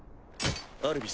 アルビス